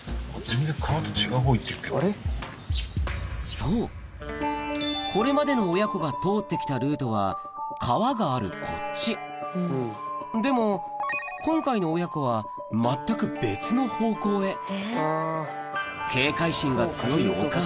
そうこれまでの親子が通って来たルートは川があるこっちでも今回の親子は全く別の方向へ警戒心が強いお母さん